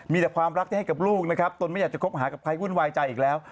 มีแต่ความรักที่ให้กับลูกนะครับตนไม่อยากจะคบหากับใครวุ่นวายใจอีกแล้ว